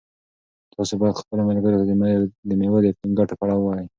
تاسو باید خپلو ملګرو ته د مېوو د ګټو په اړه ووایئ.